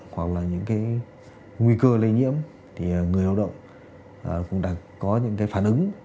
hoặc là những cái nguy cơ lây nhiễm thì người lao động cũng đã có những cái phản ứng